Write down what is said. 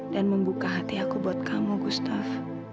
dan membuka hati aku buat kamu gustaf